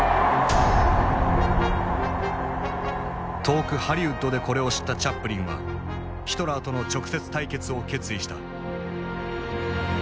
遠くハリウッドでこれを知ったチャップリンはヒトラーとの直接対決を決意した。